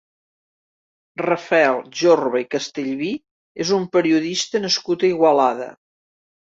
Rafael Jorba i Castellví és un periodista nascut a Igualada.